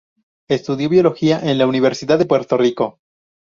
Estudió biología en la Universidad de Puerto Rico.